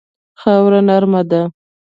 خاوره نرمه ده.